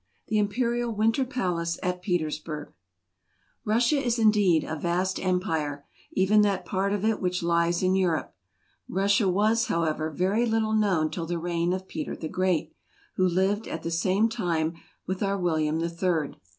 The Imperial Winter Palace at Peters . burgh, Russia is indeed a vast empire, even that part of it which lies in Europe. Russia was, how¬ ever, very little known till the reign of Peter the Great, who lived at the same time with our Wll 3 26 RUSSIA. liam III.